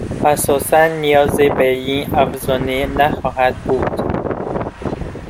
اساسا نیازی به این افزونه نخواهد بود